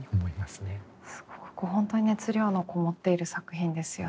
すごく本当に熱量のこもっている作品ですよね。